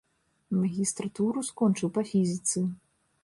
Магістратуру скончыў па фізіцы.